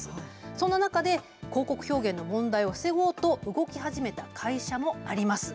そんな中で広告表現の問題を防ごうと動き始めた会社もあります。